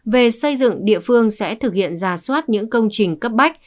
về xây dựng địa phương sẽ thực hiện ra soát những công trình cấp bách